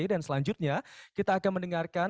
dan selanjutnya kita akan mendengarkan